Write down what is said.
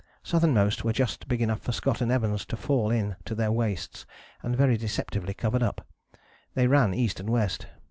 Southernmost were just big enough for Scott and Evans to fall in to their waists, and very deceptively covered up. They ran east and west.